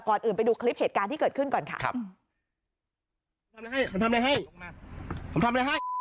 อื่นไปดูคลิปเหตุการณ์ที่เกิดขึ้นก่อนค่ะครับ